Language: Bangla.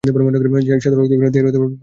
শ্বেত রক্তকণিকা দেহের প্রতিরক্ষার কাজ করে।